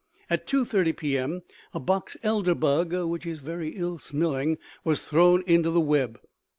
2. "At 2:30 P.M., a box elder bug, which is very ill smelling, was thrown into the web.